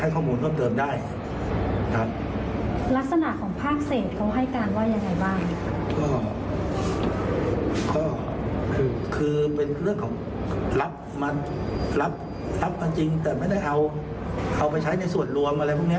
ก็คือคือเป็นเรื่องของรับมันรับทรัพย์กันจริงแต่ไม่ได้เอาไปใช้ในส่วนรวมอะไรพวกนี้